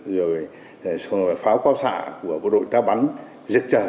rồi pháo quao xạ của quân đội ta bắn giấc trời